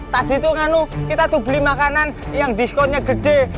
tadi itu kita tuh beli makanan yang diskonnya gede